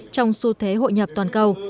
trong xu thế hội nhập toàn cầu